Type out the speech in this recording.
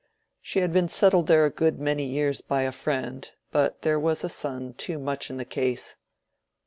She had been settled there a good many years by a friend; but there was a son too much in the case.